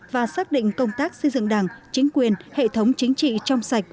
và xác định công tác xây dựng đảng chính quyền hệ thống chính trị trong sạch